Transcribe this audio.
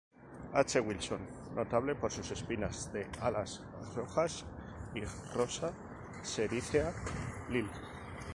H. Wilson, notable por sus espinas de alas rojas y "Rosa sericea" Lindl.